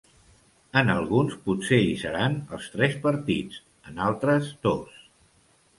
En alguns, potser hi seran els tres partits, en altres dos.